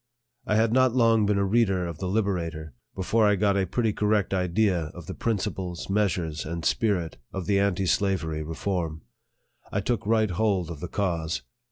I had not long been a reader of the " Liberator," before I got a pretty correct idea of the principles, measures and spirit of the anti slavery reform. I took right hold of the cause.